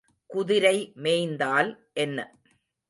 குதிரை மேய்ந்தால் என்ன?